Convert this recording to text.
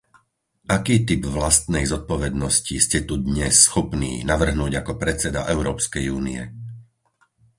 Aký typ vlastnej zodpovednosti ste tu dnes schopný navrhnúť ako predseda Európskej únie?